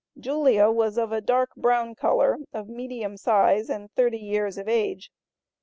Julia was of a dark brown color, of medium size, and thirty years of age.